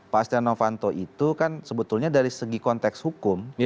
pak stianowanto itu kan sebetulnya dari segi konteks hukum